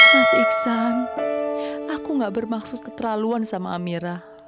mas iksan aku gak bermaksud keterlaluan sama amira